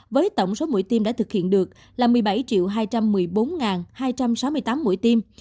với tổng số mũi tiêm đã thực hiện được là một mươi bảy hai trăm một mươi bốn hai trăm sáu mươi tám mũi tiêm